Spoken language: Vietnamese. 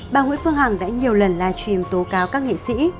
bà nguyễn phương hằng đã nhiều lần livestream tố cáo các nghệ sĩ